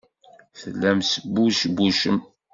Tellam tesbucbucem.